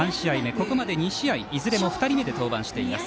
ここまで２試合いずれも２人目で登板しています。